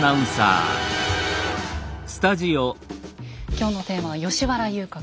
今日のテーマは「吉原遊郭」。